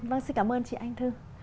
vâng xin cảm ơn chị anh thư